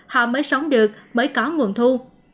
họ mới sống được mới có nguồn thu